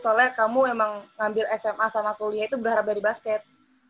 soalnya kamu emang ngambil sma sama kuliah itu berharap dari basket